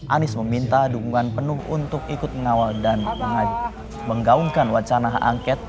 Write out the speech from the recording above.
anies meminta dukungan penuh untuk ikut mengawal dan menggaungkan wacana hak angket